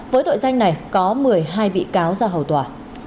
với tội danh này có một mươi hai bị cáo ra hầu tòa